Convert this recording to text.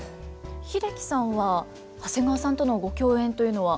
英樹さんは長谷川さんとのご共演というのは？